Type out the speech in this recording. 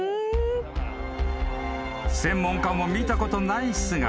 ［専門家も見たことない姿］